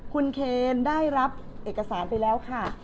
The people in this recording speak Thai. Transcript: คุณเคนได้รับเอกสารไปแล้วค่ะ